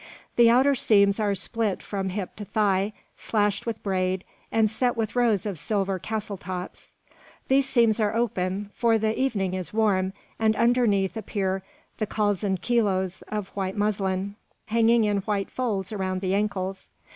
The outer seams are split from hip to thigh, slashed with braid, and set with rows of silver "castletops." These seams are open, for the evening is warm, and underneath appear the calzoncillos of white muslin, hanging in white folds around the ankles.